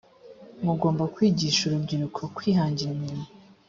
mugomba kwigisha urubyiruko kwihangira imirimo.